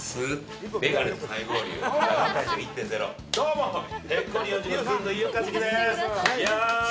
どうも、ペッコリ４５度ずんの飯尾和樹です。